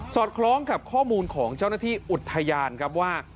อดคล้องกับข้อมูลของเจ้าหน้าที่อุทยานครับว่า